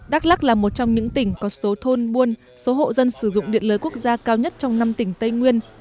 đắk lắc là một trong những tỉnh có số thôn buôn số hộ dân sử dụng điện lưới quốc gia cao nhất trong năm tỉnh tây nguyên